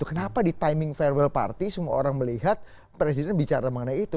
kenapa di timing farewel party semua orang melihat presiden bicara mengenai itu